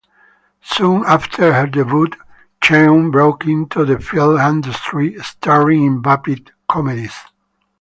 Soon after her debut, Cheung broke into the film industry, starring in vapid comedies.